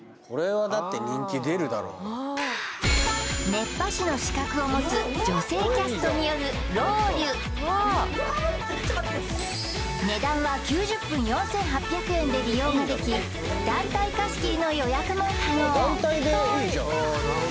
熱波師の資格を持つ女性キャストによる値段は９０分４８００円で利用ができ団体貸し切りの予約も可能熱い！